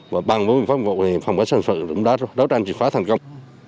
và bằng mỗi biện pháp mọi người phòng các sản phẩm đúng đáp đấu tranh trị phá thành công